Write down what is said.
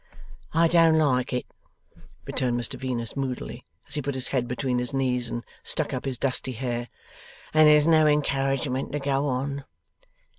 'I don't like it,' returned Mr Venus moodily, as he put his head between his knees and stuck up his dusty hair. 'And there's no encouragement to go on.